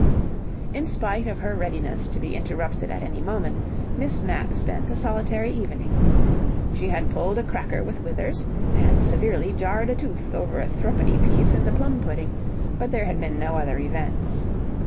In spite of her readiness to be interrupted at any moment, Miss Mapp spent a solitary evening. She had pulled a cracker with Withers, and severely jarred a tooth over a threepenny piece in the plum pudding, but there had been no other events.